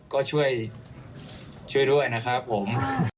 ก็ช่วยด้วยนะครับผม